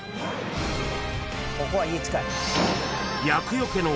ここは家近い。